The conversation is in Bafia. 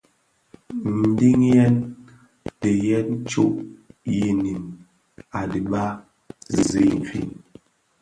Ndiñiyèn diiyèn tsög yiñim a dhiba zi infin.